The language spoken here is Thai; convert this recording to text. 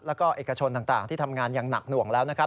แล้วก็เอกชนต่างที่ทำงานอย่างหนักหน่วงแล้วนะครับ